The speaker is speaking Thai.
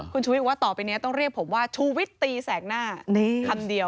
คุณชูวิทย์ว่าต่อไปนี้ต้องเรียกผมว่าชูวิตตีแสกหน้าคำเดียว